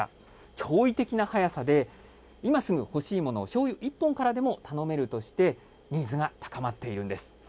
驚異的な速さで、今すぐ欲しいものをしょうゆ１本からでも頼めるとして、ニーズが高まっているんです。